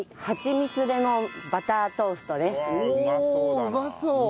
うまそう！